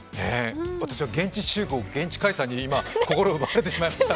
私は現地集合現地解散に心を奪われてしましましたが。